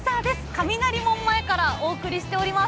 雷門前からお送りしております。